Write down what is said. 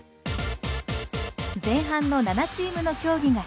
前半の７チームの競技が終了。